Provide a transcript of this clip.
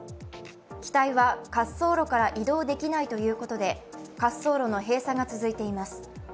機体は滑走路から移動できないということで、滑走路の閉鎖が続いています。